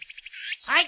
はい。